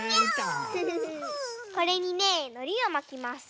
これにねのりをまきます。